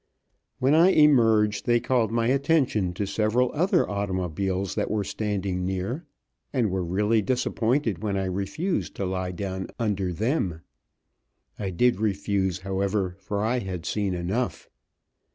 When I emerged, they called my attention to several other automobiles that were standing near, and were really disappointed when I refused to lie down under them. I did refuse, however, for I had seen enough.